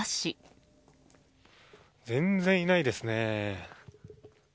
全然いないですね。